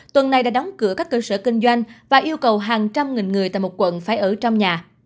tuần này đã đóng cửa các cơ sở kinh doanh và yêu cầu hàng trăm nghìn người tại một quận phải ở trong nhà